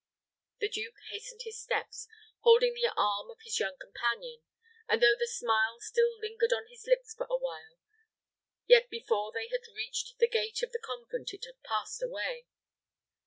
The duke hastened his steps, holding the arm of his young companion; and though the smile still lingered on his lips for awhile, yet before they had reached the gate of the convent, it had passed away.